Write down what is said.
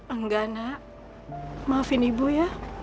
enggak nak maafin ibu ya